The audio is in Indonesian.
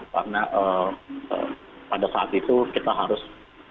karena pada saat itu kita harus